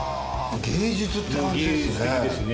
芸術って感じですね。